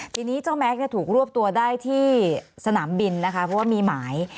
ทีนี้เจ้าแม็กซ์ถูกรวบตัวได้ที่สนามบินนะคะเพราะว่ามีหมาย